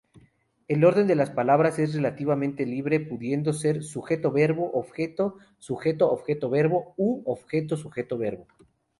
El orden de las palabras es relativamente libre, pudiendo ser sujeto-verbo-objeto, sujeto-objeto-verbo u objeto-sujeto-verbo.